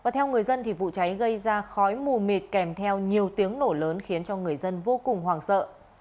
theo người dân vụ cháy gây ra khói mù mịt kèm theo nhiều tiếng nổ lớn khiến cho người dân vô cùng hoảng sợ